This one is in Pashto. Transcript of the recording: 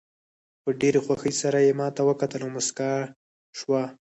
په ډېره خوښۍ سره یې ماته وکتل او موسکاه شوه.